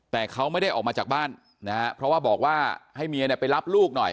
แต่เขาไม่ได้ออกมาจากบ้านนะฮะเพราะว่าบอกว่าให้เมียเนี่ยไปรับลูกหน่อย